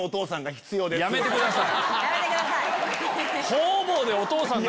やめてください！